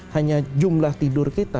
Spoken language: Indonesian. hanya jumlah tidur kita